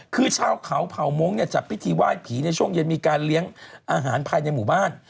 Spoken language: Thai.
คือชาวเขาเผ่ามงค์เนี่ยจัดพิธีไหว้ผีในช่วงเย็นมีการเลี้ยงอาหารภายในหมู่บ้าน